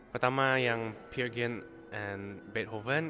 pertama yang peer gyen and beethoven